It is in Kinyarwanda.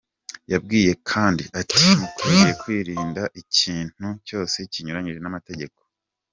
Yababwiye kandi ati :"Mukwiriye kwirinda ikintu cyose kinyuranyije n’amategeko.